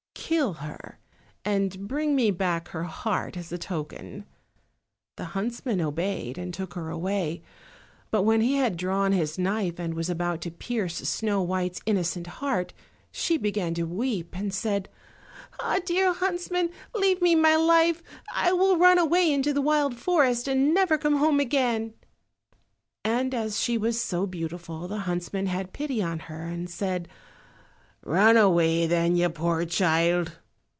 Kill her, and bring me back her heart as a token." The huntsman obeyed, and took her away; but when he had drawn his knife, and was about to pierce Snow white's innocent heart, she began to weep, and said, "Ah dear huntsman, leave me my life! I will run away into the wild forest, and never come home again." And as she was so beautiful the huntsman had pity on her and said, "Run away, then, you poor child."